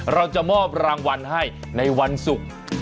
เราจะมอบรางวัลให้ในวันศุกร์